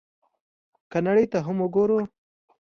که نړۍ ته هم وګورو،